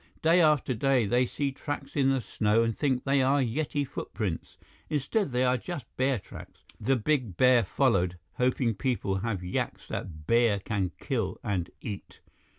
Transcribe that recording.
Day after day, they see tracks in the snow and think they are Yeti footprints. Instead, they are just bear tracks. The big bear followed, hoping people have yaks that bear can kill and eat.